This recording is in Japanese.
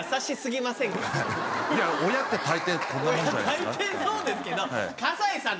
大抵そうですけど。